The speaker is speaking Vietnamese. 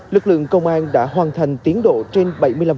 lực lượng công an đã hoàn thành tiến độ trên bảy mươi năm